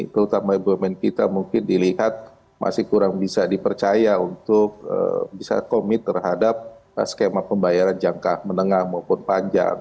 terutama bumn kita mungkin dilihat masih kurang bisa dipercaya untuk bisa komit terhadap skema pembayaran jangka menengah maupun panjang